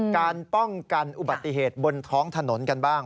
การป้องกันอุบัติเหตุบนท้องถนนกันบ้าง